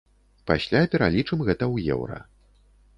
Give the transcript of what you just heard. Пасля пералічым гэта ў еўра.